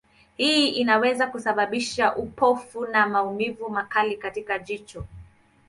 Hii inaweza kusababisha upofu na maumivu makali katika jicho.